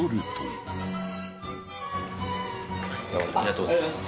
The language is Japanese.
ありがとうございます。